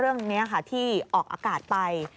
เรื่องนี้ค่ะที่ออกอากาศไป